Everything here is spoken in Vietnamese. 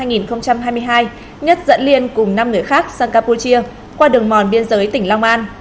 nhất dẫn liên cùng năm người khác sang campuchia qua đường mòn biên giới tỉnh long an